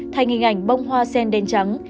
thành hình ảnh bông hoa sen đen trắng